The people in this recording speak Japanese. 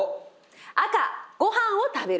赤「ご飯を食べる」。